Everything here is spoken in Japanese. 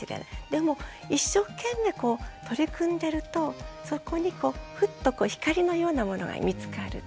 でも一生懸命こう取り組んでるとそこにこうふっとこう光のようなものが見つかる。